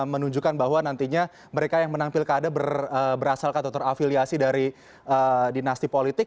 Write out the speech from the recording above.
menunjukkan bahwa nantinya mereka yang menampil kader berasalkan atau terafiliasi dari dinasti politik